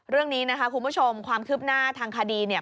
เรื่องนี้นะคะคุณผู้ชมความคืบหน้าทางคดีเนี่ย